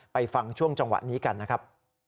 ฟังช่วงจังหวะนี้กันนะครับ